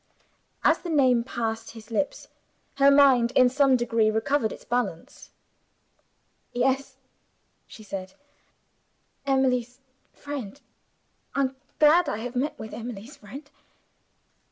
As the name passed his lips, her mind in some degree recovered its balance. "Yes," she said; "Emily's friend; I'm glad I have met with Emily's friend."